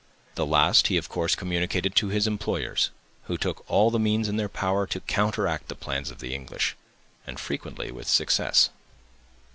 The last he of course communicated to his employers, who took all the means in their power to counteract the plans of the English, and frequently with success.